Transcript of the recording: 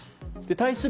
対する